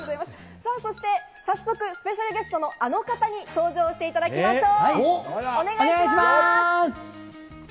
さあそして、早速、スペシャルゲストのあの方に登場していただきましょう。